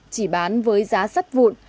chỉ bán với giá sắt vụn